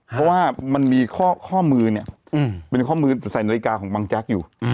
เพราะว่ามันมีข้อมือเนี่ยเป็นข้อมือใส่นาฬิกาของบางแจ๊กอยู่